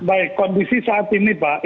baik kondisi saat ini pak